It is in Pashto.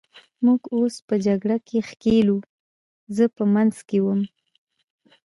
موږ اوس په جګړه کې ښکېل وو، زه په منځ کې وم.